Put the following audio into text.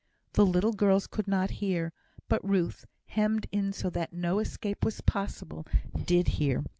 The little girls could not hear; but Ruth, hemmed in so that no escape was possible, did hear.